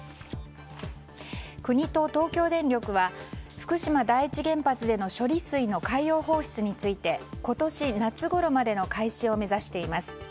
国と東京電力は福島第一原発での処理水の海洋放出について今年夏ごろまでの開始を目指しています。